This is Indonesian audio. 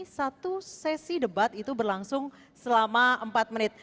satu sesi debat itu berlangsung selama empat menit